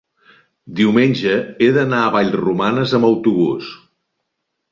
diumenge he d'anar a Vallromanes amb autobús.